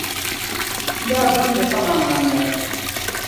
n daa bamdi kaman ŋmani la.